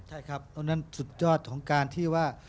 ใช่ครับตรงนั้นสุดยอดของการว่า